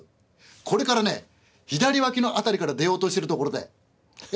これからね左ワキの辺りから出ようとしてるところでええ。